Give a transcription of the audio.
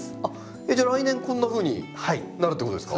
じゃあ来年こんなふうになるってことですか？